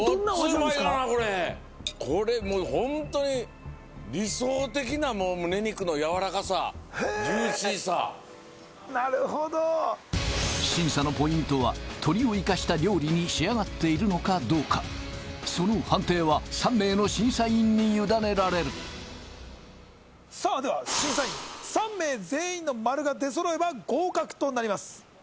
うまいがなこれこれもう本当に理想的なむね肉の軟らかさジューシーさなるほど審査のポイントは鶏を生かした料理に仕上がっているのかどうかその判定は３名の審査員に委ねられるさあでは審査員３名全員の○が出そろえば合格となります